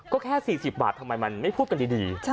ก็แค่๔๐บาททำไมมันไม่พูดกันดี